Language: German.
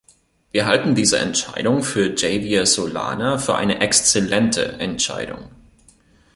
Wir halten diese Entscheidung für Javier Solana für eine exzellente Entscheidung.